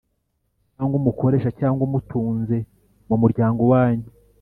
cyangwa umukoresha cyangwa umutunze mu muryango wanyu,